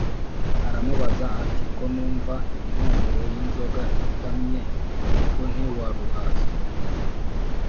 aramubaza ati :” ko numva impumuro y’inzoga itamye ubwo ntiwaruhaze ?